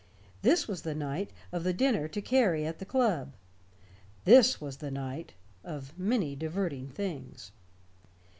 This was the night of the dinner to Carey at the club. This was the night of many diverting things.